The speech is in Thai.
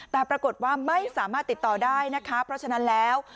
แต่ปรากฏว่าไม่สามารถติดต่อได้นะคะเพราะฉะนั้นแล้ว